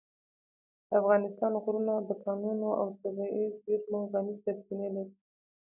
د افغانستان غرونه د کانونو او طبیعي زېرمو غني سرچینې لري.